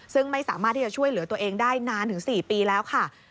ซึ่งไม่สามารถที่จะช่วยเหลือตัวเองได้นานถึง๔ปีแล้วค่ะ